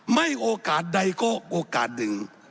ไม่โอกาสใดก็โอกาสหนึ่ง